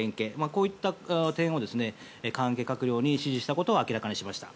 こういった点を関係閣僚に指示したことを明らかにしました。